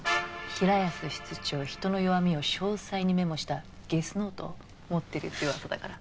平安室長人の弱みを詳細にメモしたゲスノート持ってるって噂だから。